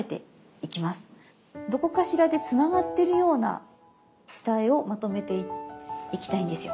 どこかしらでつながってるような下絵をまとめていきたいんですよ。